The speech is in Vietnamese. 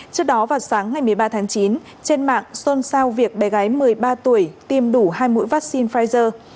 trước đó vào sáng ngày một mươi ba tháng chín trên mạng xôn xao việc bé gái một mươi ba tuổi tiêm đủ hai mũi vaccine pfizer